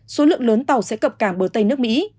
số lượng lớn tàu sẽ cập cảng bờ tây nước mỹ